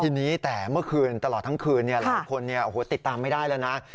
ทีนี้แต่เมื่อคืนตลอดทั้งคืนหลายคนติดตามไม่ได้แล้วนะ